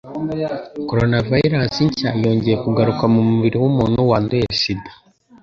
Coronavirus nshya yongeye kugaruka mu mubiri w'umuntu wanduye sida